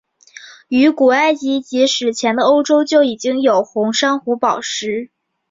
于古埃及及史前的欧洲就已经有红珊瑚宝石。